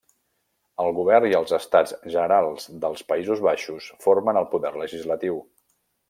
El govern i els Estats Generals dels Països Baixos formen el poder legislatiu.